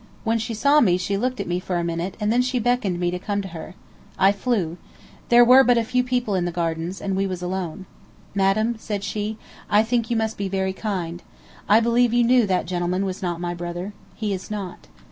When she saw me she looked at me for a minute, and then she beckoned to me to come to her. I flew. There were but few people in the gardens, and we was alone. "Madam," said she, "I think you must be very kind. I believe you knew that gentleman was not my brother. He is not."